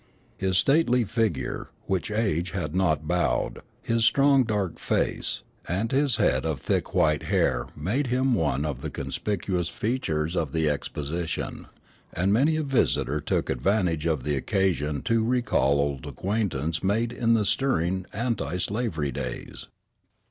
His stately figure, which age had not bowed, his strong dark face, and his head of thick white hair made him one of the conspicuous features of the Exposition; and many a visitor took advantage of the occasion to recall old acquaintance made in the stirring anti slavery days.